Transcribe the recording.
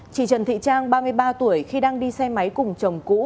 chị trần thị trang ba mươi ba tuổi khi đang đi xe máy cùng chồng cũ